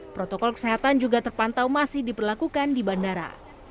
protokol kesehatan juga terpantau masih diperlakukan di bandara